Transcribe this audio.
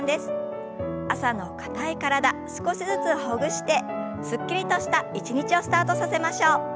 朝の硬い体少しずつほぐしてすっきりとした一日をスタートさせましょう。